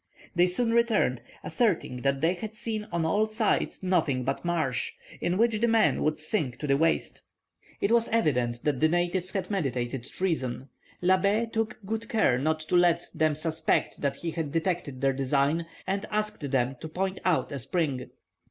They soon returned, asserting that they had seen on all sides nothing but marsh, in which the men would sink to the waist. It was evident that the natives had meditated treason. Labbé took good care not to let them suspect that he had detected their design, and asked them to point out a spring.